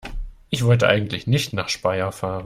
Ich wollte eigentlich nicht nach Speyer fahren